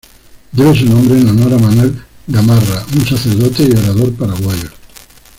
Debe su nombre en honor a Manuel Gamarra un sacerdote y orador paraguayo.